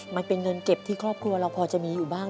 มันเป็นเงินเก็บที่ครอบครัวเราพอจะมีอยู่บ้าง